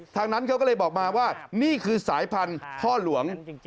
นั้นเขาก็เลยบอกมาว่านี่คือสายพันธุ์พ่อหลวง